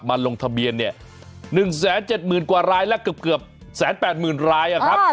มาลงทะเบียน๑๗๐๐๐๐๐กว่ารายและเกือบ๑๘๐๐๐๐ราย